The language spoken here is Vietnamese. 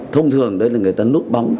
thông thường đây là người ta nút bóng